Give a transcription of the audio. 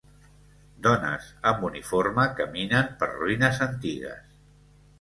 Dones amb uniforme caminen per ruïnes antigues.